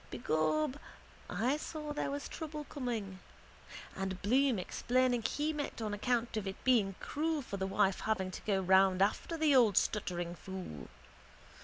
Begob I saw there was trouble coming. And Bloom explaining he meant on account of it being cruel for the wife having to go round after the old stuttering fool.